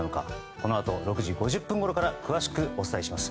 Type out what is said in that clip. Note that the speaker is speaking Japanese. このあと６時５０分ごろから詳しくお伝えします。